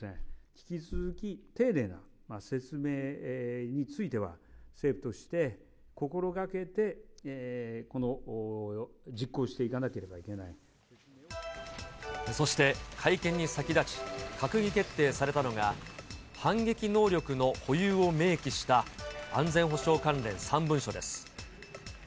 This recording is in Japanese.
引き続き丁寧な説明については、政府として心がけてこの、そして、会見に先立ち、閣議決定されたのが、反撃能力の保有を明記した安全保障関連３文書です。